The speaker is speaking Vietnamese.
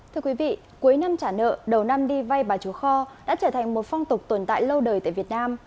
thưa quý vị cuối năm trả nợ đầu năm đi vay bà chúa kho đã trở thành một phong tục tồn tại lâu đời tại việt nam